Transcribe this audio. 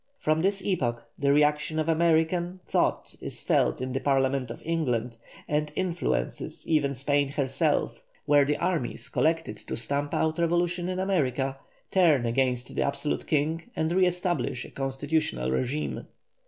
From this epoch the reaction of American thought is felt in the Parliament of England, and influences even Spain herself, where the armies collected to stamp out revolution in America, turn against the absolute king and re establish a constitutional régime.